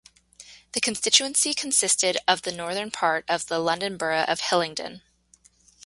The constituency consisted of the northern part of the London Borough of Hillingdon.